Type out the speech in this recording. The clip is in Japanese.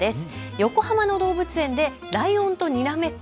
横浜の動物園でライオンとにらめっこ。